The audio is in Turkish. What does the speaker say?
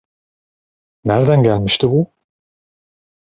Nereden gelmişti bu?